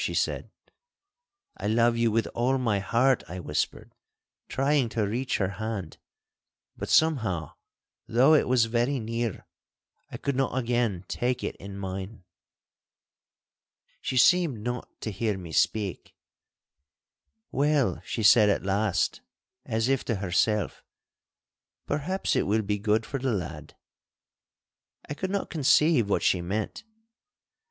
she said. 'I love you with all my heart!' I whispered, trying to reach her hand; but somehow, though it was very near, I could not again take it in mine. She seemed not to hear me speak. 'Well,' she said at last, as if to herself, 'perhaps it will be good for the lad.' I could not conceive what she meant.